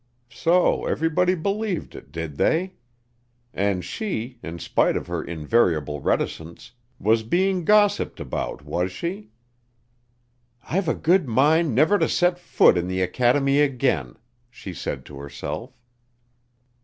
So everybody believed it, did they? And she, in spite of her invariable reticence, was being gossiped about, was she? "I've a good mind never to set foot in the academy again," she said to herself.